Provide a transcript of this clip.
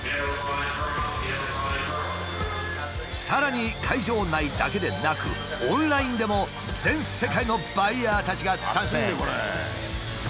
さらに会場内だけでなくオンラインでも全世界のバイヤーたちが参戦。